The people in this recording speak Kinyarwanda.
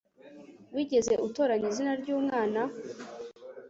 Wigeze utoranya izina ryumwana?